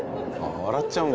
笑っちゃうんだ。